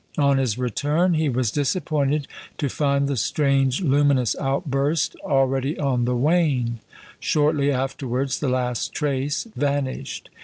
On his return he was disappointed to find the strange luminous outburst already on the wane; shortly afterwards the last trace vanished.